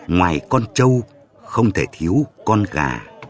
ngoài con trâu không thể thiếu con gà